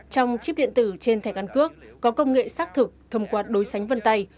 trong chip điện tử trên thẻ căn cước có công nghệ xác thực thông qua đối sánh vân tay